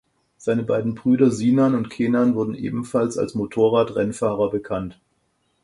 Seine beiden Brüder Sinan und Kenan wurden ebenfalls als Motorradrennfahrer bekannt.